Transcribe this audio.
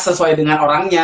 sesuai dengan orangnya